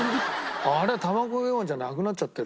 あれは卵かけご飯じゃなくなっちゃってる。